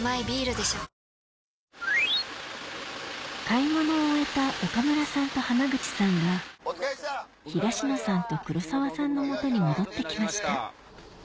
買い物を終えた岡村さんと濱口さんが東野さんと黒沢さんのもとに戻って来ました